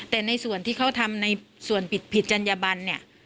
แต่ในส่วนที่เขาทำในส่วนผิดจัญญบันเนี่ย